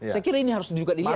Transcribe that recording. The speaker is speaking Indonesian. saya kira ini harus juga dimakan